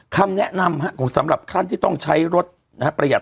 คำแนะนำครับสำหรับขั้นที่ต้องใช้รถ